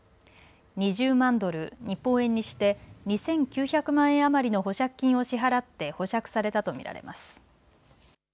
２０万ドル、日本円にして２９００万円余りの保釈金を支払って保釈されたと見られます。